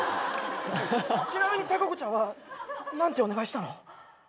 ちなみにタカコちゃんは何てお願いしたの？